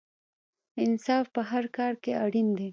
انصاف په هر کار کې اړین دی.